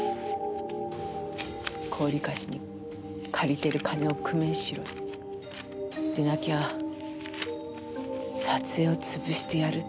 高利貸に借りてる金を工面しろでなきゃ撮影を潰してやるって。